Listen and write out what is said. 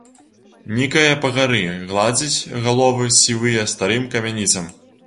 Нікае па гары, гладзіць галовы сівыя старым камяніцам.